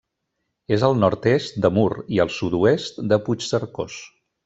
És al nord-est de Mur i al sud-oest de Puigcercós.